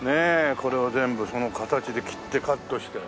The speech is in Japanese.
これを全部その形で切ってカットして。